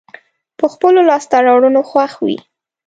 په خپلو لاسته راوړنو خوښ وي.